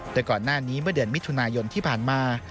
แต่ก่อนหน้านี้เมื่อเดือนมิถุนายนที่ผ่านมา